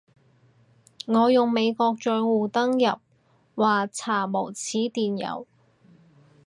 我用美國帳戶登入話查無此電郵